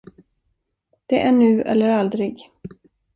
Det är nu eller aldrig.